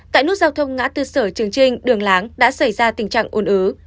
tại nút giao thông ngã tư sở trường trinh đường láng đã xảy ra tình trạng ồn ứ